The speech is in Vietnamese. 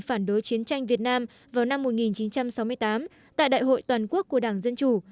phản đối chiến tranh việt nam vào năm một nghìn chín trăm sáu mươi tám tại đại hội toàn quốc của đảng dân chủ